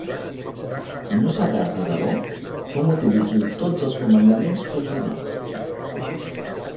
I no sabràs de debò com utilitzo tots els comandaments combinats.